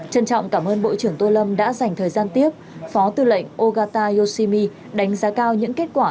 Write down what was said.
trân trọng cảm ơn bộ trưởng tô lâm đã dành thời gian tiếp phó tư lệnh ogata yoshimi đánh giá cao những kết quả